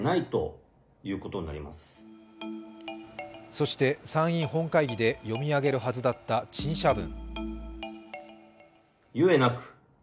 そして参院本会議で読み上げるはずだった陳謝文。